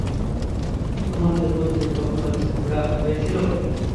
তোমাদের মধ্যে কখনো ঝগড়া হয়েছিল?